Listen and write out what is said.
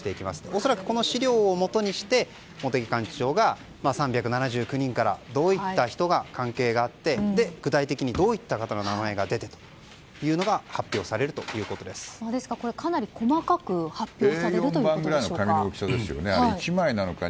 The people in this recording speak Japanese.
おそらくこの資料をもとにして茂木幹事長が３７９人からどういった人が関係があって具体的にどういった方の名前が出てくるのかかなり細かく発表されるということでしょうか。